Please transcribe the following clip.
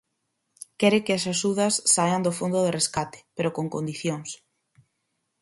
Quere que as axudas saian do fondo de rescate, pero con condicións.